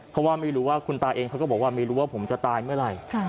เพราะว่าไม่รู้ว่าคุณตาเองเขาก็บอกว่าไม่รู้ว่าผมจะตายเมื่อไหร่